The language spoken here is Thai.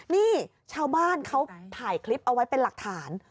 นี่ชาวบ้านเขาถ่ายคลิปเอาไว้เป็นหลักฐาน